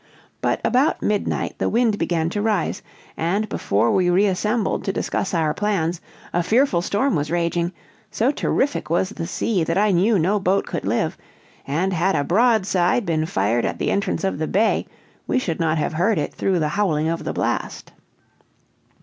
But about midnight the wind began to rise, and before we reassembled to discuss our plans a fearful storm was raging; so terrific was the sea that I knew no boat could live, and had a broadside been fired at the entrance of the bay we should not have heard it through the howling of the blast.